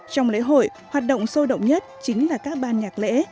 trong lễ hội hoạt động sôi động nhất chính là các ban nhạc lễ